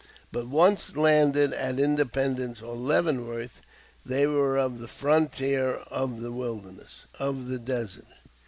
] But once landed at Independence or Leavenworth, they were of the frontier, of the wilderness, of the desert.